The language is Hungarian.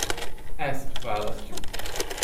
Ezt választjuk.